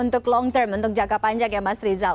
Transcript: untuk long term untuk jangka panjang ya mas rizal